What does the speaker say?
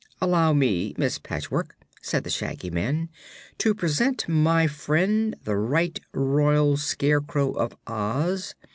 "Allow me, Miss Patchwork," said the Shaggy Man, "to present my friend, the Right Royal Scarecrow of Oz.